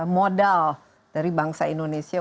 modal dari bangsa indonesia